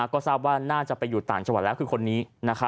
ก็ทราบว่าน่าจะไปอยู่ต่างจังหวัดแล้วคือคนนี้